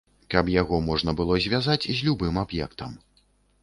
Каб яго можна было звязаць з любым аб'ектам.